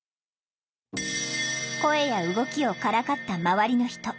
声や動きをからかった周りの人。